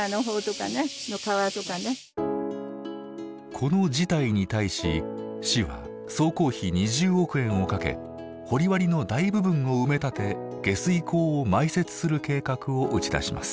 この事態に対し市は総工費２０億円をかけ掘割の大部分を埋め立て下水溝を埋設する計画を打ち出します。